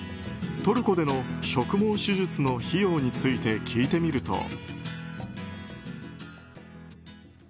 トルコでの植毛手術の費用について聞いてみると。